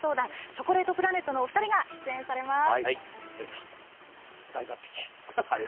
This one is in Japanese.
チョコレートプラネットのお二人が出演します。